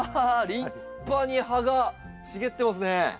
立派に葉が茂ってますね。